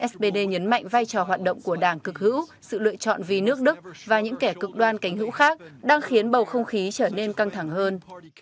spd nhấn mạnh vai trò hoạt động của đảng cực hữu sự lựa chọn vì nước đức và những kẻ cực đoan cánh hữu khác đang khiến bầu không khí trở nên căng thẳng hơn